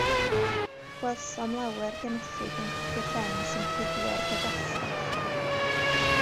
Gwelsom lawer genethig yn codi'r llen sy'n cuddio'r gyffesgell.